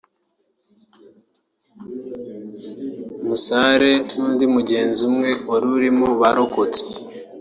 umusare n’undi mugenzi umwe wari urimo bararokotse